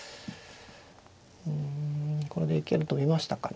うんこれで行けると見ましたかね。